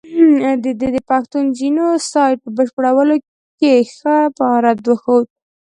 ده د پښتون جینو سایډ په بشپړولو کې ښه مهارت وښود.